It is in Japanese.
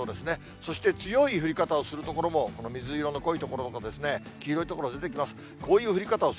そして強い降り方をする所も、この水色の濃い所と黄色い所、出てきます。